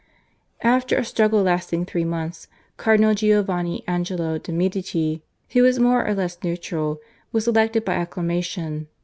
After a struggle lasting three months Cardinal Giovanni Angelo de' Medici, who was more or less neutral, was elected by acclamation.